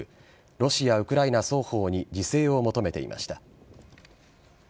ロシア、ウクライナ双方に自制を求めていました。